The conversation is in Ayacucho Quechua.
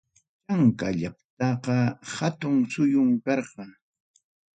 Chanka llaqtapa hatun suyum karqa.